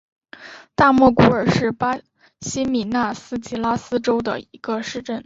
大莫古尔是巴西米纳斯吉拉斯州的一个市镇。